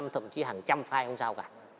thậm chí hàng trăm file không sao cả